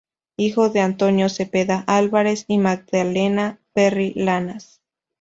Hijo de Antonio Zepeda Álvarez y Magdalena Perry Lanas.